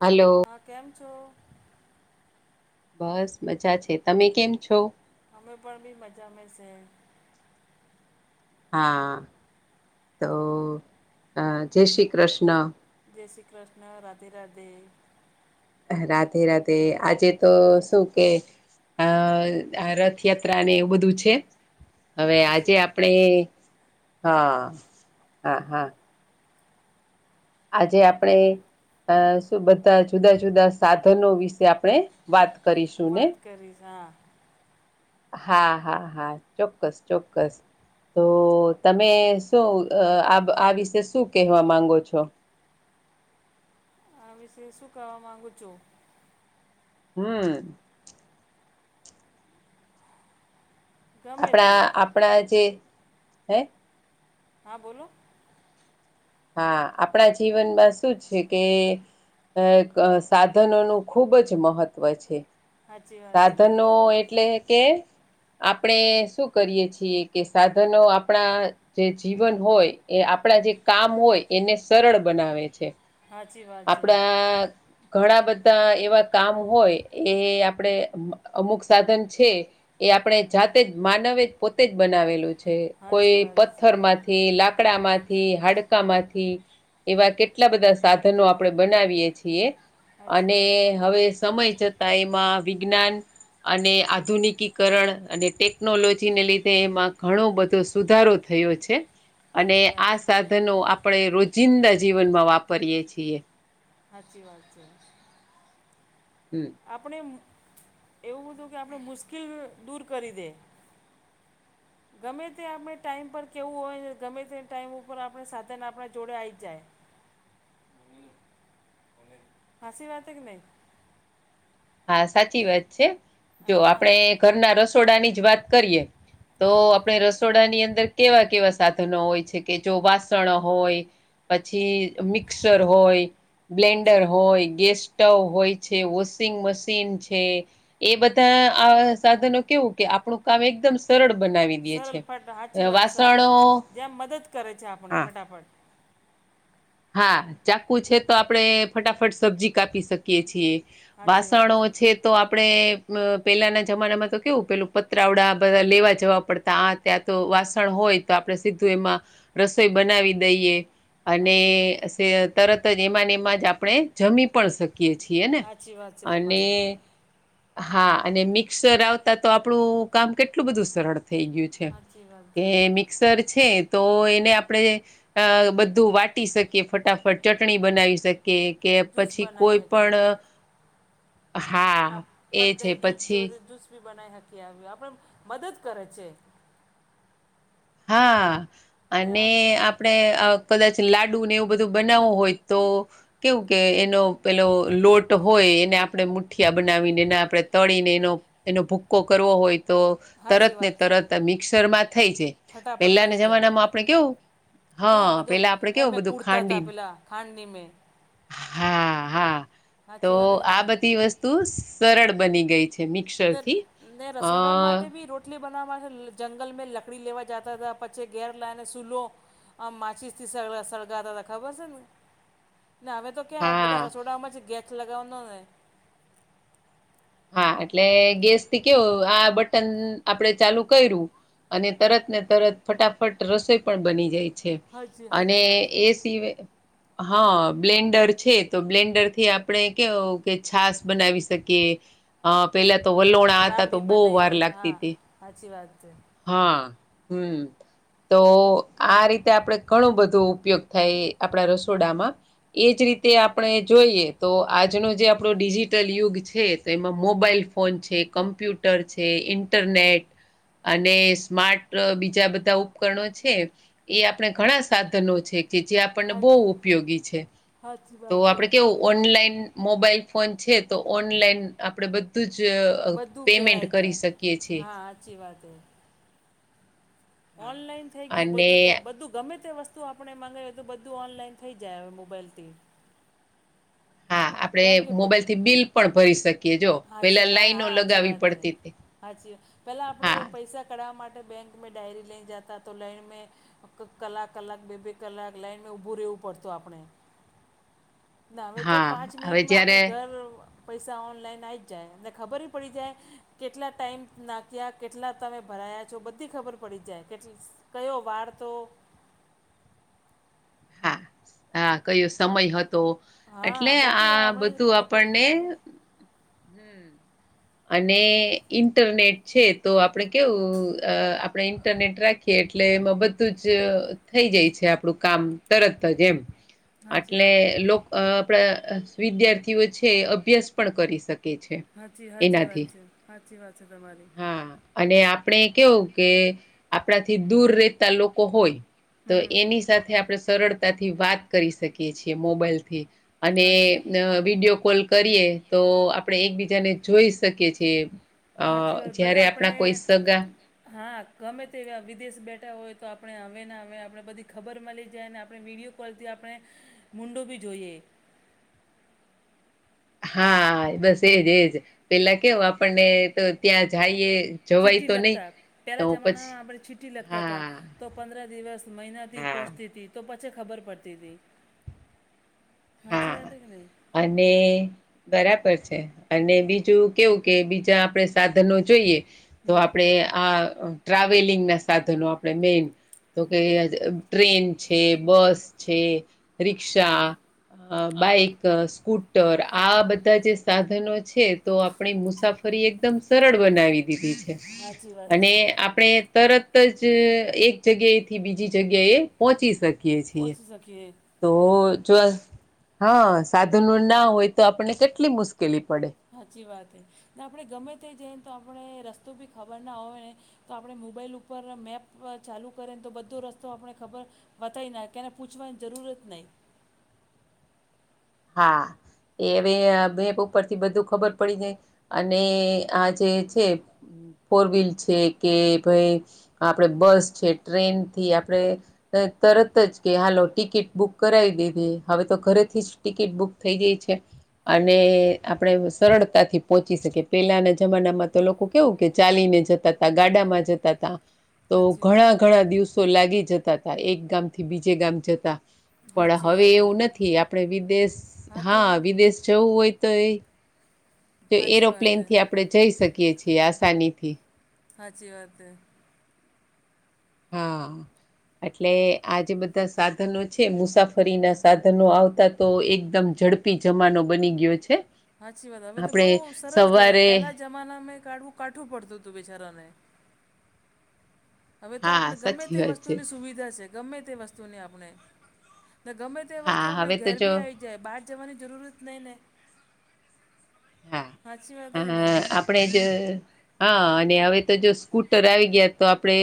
Hello. હા કેમ છો? બસ મજા છે તમે કેમ છો? હમે પણ ભી મજા મે છે. હા તો જય શ્રી કૃષ્ણ. જય શ્રી કૃષ્ણ રાધે રાધે. રાધેરાધે આજે તો શું કે. અ રથયાત્રા ને એવું બધું છે. હવે હાચી આજે આપણે હા હા હા આજે આપણે અ શું બધા જુદા જુદા સાધનો વિશે આપણે વાત કરીશું ને. વાત કરીશ હા. હા હા હા ચોક્કસ ચોક્કસ. તો તમે શું આ વિશે શું કહેવા માંગો છો? આ વિશે શું કરવા માગુ છું? હમ્મ. ગમે તે આપણા આપણા જે હે. હા બોલો. હા આપણા જીવનમાં શું છે કે. અ સાધનોનું ખૂબ જ મહત્વ છે. સાચી વાત છે સાધનો એટલે કે આપણે શું કરીએ છીએ કે સાધનો આપણા જે જીવન હોય એ આપણા જે કામ હોય એને સરળ બનાવે છે. હાચી વાત છે આપડા ઘણા બધા એવા કામ હોય એ આપડે અમુક સાધન છે એ આપણે જાતે જ માનવે જ પોતે જ બનાવેલું છે કોઈ સાચી વાત છે પથ્થર માંથી લાકડા માંથી હાડકા માંથી એવા કેટલા બધા સાધ નો આપણે બનાવીએ છીએ સાચી અને વાત છે હવે સમય ત એમાં વિજ્ઞાન અને આધુનિક કરણ અને ટેકનોલોજીને લીધે એમાં ઘણો બધો સુધારો થયો છે. અને સાચી વાત આ છે, સાધનો આપણે રોજિંદા જીવનમાં વાપરીએ છીએ. હાચી વાત છે. હમ્મ. આપણે મુ એવું હતું કે આપણે મુશ્કેલ દૂર કરી દે. [inaudible] ગમે તે આપણે ટાઈમ પર કેવું હોય ને ગમે તે ટાઈમ ઉપર આપણે સાથે ને આપણા જોડે આઇજ જાય. હાસી વાત હે કે નહી? હા સાચી વાત છે, જો આપડે હા ઘરના રસોડાની જ વાત કરીએ. તો હા આપણે રસોડાની અંદર કેવા કેવા સાધનો હોય છે કે જો વાસણો હોય. પછી મિક્સર હોય, સાચી બ્લેન્ડર વાત હોય, ગેસ સ્ટવ હોય છે, ઓ સિંગ મશીન છે, એ બધા આ સાધનો કેવું કે આપણું કામ એકદમ સરળ બનાવી દેયે છે, સરળ ફટ સાચી વાત છે આપણે વાસણો જેમ મદદ કરે છે આપણી હા ફટાફટ હા ચાકુ છે તો આપડે ફટાફટ સબ્જી કાપી શક કે છીએ, સાચી વાત વાસણો છે તો આપણે, પેલાના જમાનામાં તો કેવું પેલું પત્રવડા બધા લેવા જવા પડતા આ ત્યાં તો વાસણ હોય, તો આપણે સીધું એમાં રસોઈ બનાવી દઈએ. સાચી વાત ને સે તરતજ એમાંને એમાંજ આપણે જમી પણ શક કિયે છીએને, સાચી વાત છે તમારી અને હા અને મિક્સર આવતા તો આપણું કામ કેટલું બધું સરળ થઈ ગયું છે. સાચી વાત કે છે મિક્સર છે તો એને આપણેે બધું અ વાટ ટી શકીએ ફટાફટ, ચટણી બનાવી શક કે કે જ્યુસ પછી કોઈ બનાવી શકીએ પણ આ હા એ છે ફટદઈને જૂસ પછી જોઈએ તો જૂસ બી બનાઈ હકીએ, આપણે મદદ કરે છે. હા અને આપ આપણે કદાચ લાડુ ને એવું બધું બનાવવું હોય તો કેવું કે એનો પેલો લોટ હોય એને આપણે મુઠિયા બનાવીને ને એને આપણે તળીને એનો એનો ભૂક્કો કરવો હોય તો સાચી તરતને વાત છે તરત મિક્સરમાં થઈ જાય. ફટાફટ પેલાના બની જાય જમાનામાં આપણે કેવું ક્યાં હા, બધું પેલા આપડે કેવું એમે બધું કૂડતા હતા ખાંડીન પેલા ખાંડની મેં હા હા તો સાચી વાત કે આ નહીં બધી વસ્તુ સરળ બની ગઈ છ ન ને રસોડા માટેબી રો ટલી બનાવવા જંગલ મે લકડી લેવા જતા તા, પછી ઘેર લાને સુલો આમ માચીસથી સળ સળગાતા ખબર છે ને? ના હવે તો ક્યાં બધા હા રસોડામાં જ ગેસ લગાવવાનો ને. હા એટલે ગેસ થી કેવો આ બટન આપડે ચાલુ કર્યું. અને તરત ને તરત ફટાફટ રસોઈ પણ બની જાય. છે, હાચી અને હાચી વાત એ સિવા હા, બ્લેન્ડર છે તો બ્લેન્ડર થી આપણે કેવુ કે છાસ બનાવી શકીએ અ પેલા તો વલોણા આતા તો, રાબડી બહુ વાર બનાવી લાગતી હા તી. સાચી વાત છે હા હમ્મ તો આ રીતે આપણે ઘણું બધું ઉપયોગ થાય આપણા રસોડામાં એજ રીતે આપણે જોઈએ તો આજનો જે આપણો ડિજિટલ યુગ છે. તો એમાં મોબાઈલ ફોન છે, કમ્પ્યુટર છે, ઇન્ટરનેટ અને સ્માર્ટ બીજા બધા ઉપકરણો છે એ આપણે ઘણા સાધનો છે કે જે આપ પણ બહુ સાચી ઉપયોગી છે, સાચી તો વાત છે આપડે કેવું ઓનલાઈન મોબાઈલ ફોન છે તો ઓનલાઈન આપડે બધ બધું જ પેમેન્ટ કરી શકીએ છીએ. જી વાત. ઓનલાઈન થઈ ગયું અને બધું, તો બધું ગમે તે વસ્ત તો આપણે મંગાવ્યુતુ બધું ઓનલાઈન થઈ જાય હવે મોબાઈલથી. આપણે કેમ કે મોબાઈલ થી બિલ પણ ભરી શકીએ, જો પેલા લાાઈનો લગાવવી પડતી તી સાાચીવા પેલા આપણે પૈસા કઢાવવા માટે બેંક ડાયરી લઈ જતા તો લાઈન મે. અક કલાક કલાક બે બે કલાક લાઈનમે ઉઊભું રહેવું પડતું આપડણે. ના હવે તો હા પાંચ હવે મિનિટમાં જયારે આપણે ઘર પૈસા ઓનલાઈન આવી જાય અને ખબર પડી જાય કેટલા ટાઈમ નાખ્યા કેટલા તમે ભરાયા છો? બધી ખબર પડી જાય કેટ કયો વારતો. હા હા કયો સમય હતો? એટલે હા બધું આ હમણાં જ બધું ખબર પડી આપણને જાય અને ઇન્ટરનેટ છે તો આપડે કેવું અ આપણે ઇન્ટરનેટ રાખીએ એટલે એમાં બધું જ થઈ જાય છે આપણું કામ. તરત જ એમ. સાચી આટલે વાત લોક અ આપણા વિદ્યાર્થીઓ છે એ અભ્યાસ પણ કરી શક. કીએ છે સાચી સાચી વાત એનાથી. છે સાચી વાત છે તમારી હા. અને આપણે કેવું કે આપણાથી દૂર રહેતા લોકો હોય તો હમ એની સાથે આપણે સરળતાથી વાત કરી શકીએ છીએ મોબાઈલથી. અને સાચી વિડીયો કોલ કરીએ તો આપણે એકબીજાને જોઈ શકીએ છીએ. અ સાચી વાત, ભલે જયારે આપણા કોઈ આપણે સગા હા ગમે તે વિદેશ બેઠા હોય તો આપણે હવે ને હવે આપણે બધી ખબર મળી જાય ને આપણે વિડીયો કોલથી આપણે મૂડો બી જોઈએ. હા, બસ એજ એજ પેલા કેવ આપણને તો ત્યાં જાઈએ જવાય ચીઠી તો નહી લખતા. તો પેલા પછી જમાનામાં આપણે ચીઠી લખતા હતા. હા, તો પંદર દિવસ મહિનાથી હા, પહોંચતી હતી. તો પછી ખબર પડતી હતી. સાચી વાત હા. કે નહી? અને તે બરાબર છે અને બીજું કેવું કે બીજા આપણે સાધનો જોઈએ તો હમ આપણે આ ટ્રાવેલિંગ ના સાધનો આપણે મેઈન. તો કે ટ્રેન છે, બસ છે, રિક્ષા. અ બાઈક, સ્કૂટ ટર આ બધા જે સાધનો છે તો આપણી મુસાફરી એકદમ સરળ બનાવી દીધી છે. સાચી વાત અને છે આપણે તરત જ એક જગ્યાએ થી બીજી જગ્યાએ પહોચી સકીએ છીએ. પહોંચી શકીએ. તો જો હા સાધનું ના હોય તો આપણને કેટલી મુશ્કેલી પડે. સાચી વાત હે. ને આપણે ગમે તે જઈને તો આપણે રસ્તો બી ખબર ના હોય ને તો આપણે મોબાઈલ ઉપર મેપ ચાલુ કરેને તો બધો રસ્તો આપણે ખબર બતાઈનાક કેને પૂછવાની જરૂર જ નહીં. હા, એવી હવે બેપ ઉપર થી બધું ખબર પડી જાય. અને આ જે છે ફોર વ્હીલ છે કે ભાઈ આપડે બસ છે, ટ્રેન ઈ આપડે તરત જ કે હાલો ટિકિટ બુક કરાવી દીધી, હવે તો ઘરેથી જ ટિકિટ બુક થઈ ગઈ છે. અને આપણેે સરળતા થી પહોંચી શકીએ પેલાના જમાનામાં તો લોકો કેવું કે ચાલીને જતા તા, ગાડામાં જતા તા. તો સાચી વાત ઘણા ઘણા દિવસો લાગી જતા હતા, એક ગામથી બીજે ગામ જતા. પણ સાચી હવે વાત હે એવું નથી. આપણે વિદેશ હાથ ધો હા લો વિદેશ જવું હોય તો એ તો સાચી વાત એરોપ્લેન હે થી આપણે જઈ શકીએ છીએ આસાની થી. હાચી વાત હે. હા. એટલે આ જે બધા સાધનો છે, મુસાફરીના સાધનો આવતા તો એકદમ ઝડપ પી જમાનો બની ગયો છે. હાચી વાત. હવે તો બહુ આપણે સરલ કહેવાય સવારે પહેલા જમાનામાંં કાઢવું કાઠું પડતું હતું બેચારાને. હવે તો હા આપણે ગમે સાચી તે વાત છે વસ્તુની સુવિધા છે. ગમે તે વસ્તુની આપણે ને ગમે તે તે વસ્તુ હા આપણે હવે તો ઘેર જો બી આવી જાય બહાર જવાની જરૂરત નહી ને. હા હાચી વાત હકે નય. હા આપણે જ હા અને હવે તો જો સ્કૂટર આવી ગયા તો આપણે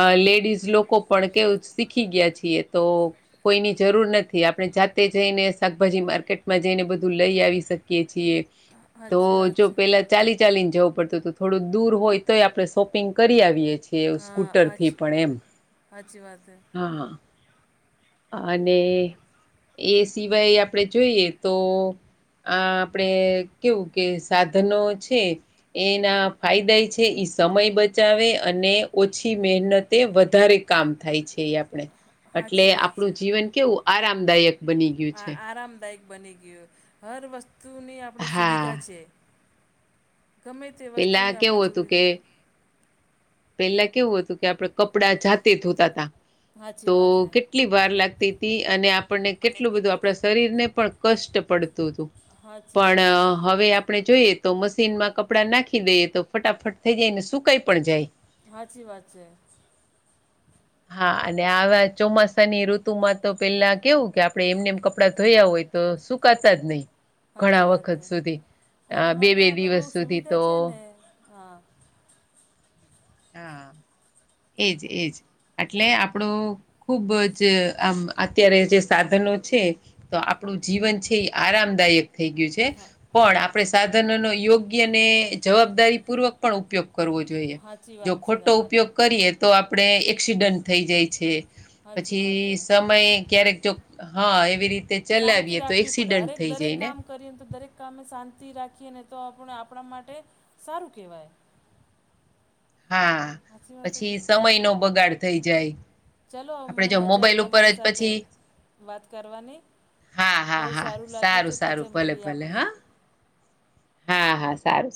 અ લેડીઝ લોકો પણ કેવું શીખી ગયા છીએ તો કોઈની જરૂર નથી. આપણે જાતે જઈને શાકભાજી માર્કેટમાં જઈને બધું લઈ આવી શકીએ છીએ. તો સાચી વાત જો છે પેલા ચાલી ચાલીને જવું પડતું તો થોડુંક દૂર હોય તો આપડે શોપિંગ કરી આવયે છીએ. સ્કૂટર હા થી સાચી પણ એમ સાચી વાત છે હા હા. અને એ સિવાય આપડે જોઈએ તો આ આપણેે કેવું કે સાધનો છે એના ફાયદા ઈ છે એ સમય બચાવે અને ઓછી મહેનત તે વધારે કામ થાય છે એ આપણે એટલે સાચી વાત છે આપણું જીવન કેવું આરામદાયક બની ગયું આ છે આરામદાયક બની ગીયુ. હર વસ્તુ વસ્તુની આપણે સુવિધા હા છે ગમે તે પેલા વસ્તુની આપણે કેવું હતું કે સુવિધા પેલા કેવું હતું કે આપણેે કપડાં જાતે ધોતા તા. સાચી તો વાત છે કેટલી વાર લાગતી તી અને આપણને કેટલું બધું આપડા શરીર ને પણ કષ્ટ પડતું હતું સાચી પણ વાત છે હવે આપ આપણે જોઈએ તો મશીનમાં કપડાં નાખી દઈએ તો ફટાફટ થઈ જાય ને સુકાઈ પણ જાય. સાચી વાત છે. હા અને આવા ચોમાસાની ઋતુમાં તો પેલા કેવું કે આપડે એમને એમ કપડાં ધોયા હોય તો સુકાતા જ નય. સાચી વાત હે. અ એના બે માટે બે આપડે બો દિવસ સુધી તો સુવિધા છે ને હા. હા એજ એજ. એટલે આપણો ખુબ જ આમ અત્યારે જે સાધનો છે તો આપણું જીવન છે ઈ આરામદાયક થઈ ગયું છે પણ આપણે સાધનોનો યોગ્ય અને જવાબદારી પૂર્વક પણ ઉપયોગ કરવો જોઈએ. સાચી જો વાત છે ખોટો તમારી ઉપયોગ કરીએ તો આપણે એક્સિડન્ટ થઈ જાય છે સાચી વાત છે પછી સમય ક્યારેક જો હા એવી રીતે ચલાવીએ તો એક્સિડન્ટ થઈ જાય ને. કરીએને તો દરેક કામે શાંતિ રાખીએ ને તો આપણે આપણા માટે સારું કહેવાય. હા સાચી વાત કે પછી નહીં? સમય નો બગાડ થઈ જાય. ચાલો અવે આપણે મને જો મજા આવી મોબાઈલ ઉપર તમારી જ સાથે પછી વાત કરવાની. હા બો હા હા સારું લાગ્યું છે સારું પછી ભલે મળ્યે ભલે આપણે હા હા હા સારું.